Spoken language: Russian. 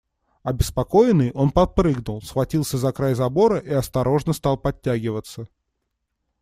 Обеспокоенный, он подпрыгнул, схватился за край забора и осторожно стал подтягиваться.